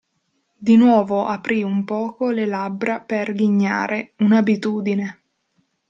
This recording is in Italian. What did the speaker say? Di nuovo aprì un poco le labbra per ghignare – un'abitudine!